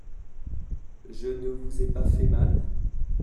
Je ne vous ai pas fait mal ?